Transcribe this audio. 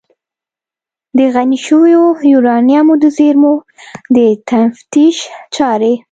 د غني شویو یورانیمو د زیرمو د تفتیش چارې